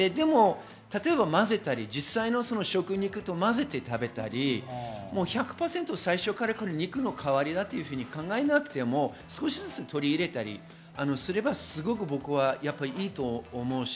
例えばまぜたり、食肉とまぜて食べたり、１００％最初から肉の代わりだというふうに考えなくても少しずつ取り入れたりすればすごくいいと思います。